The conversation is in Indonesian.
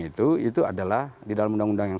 itu itu adalah di dalam undang undang yang